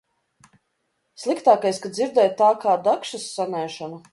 Sliktākais, ka dzirdēju tā kā dakšas sanēšanu.